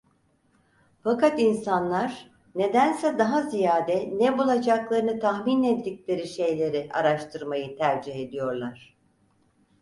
Fakat insanlar nedense daha ziyade ne bulacaklarını tahmin ettikleri şeyleri araştırmayı tercih ediyorlar.